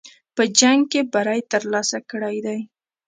په جنګ کې بری ترلاسه کړی دی.